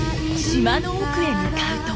島の奥へ向かうと。